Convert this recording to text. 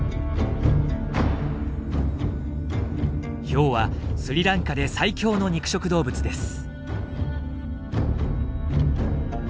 ヒョウはスリランカで最強の肉食動物です。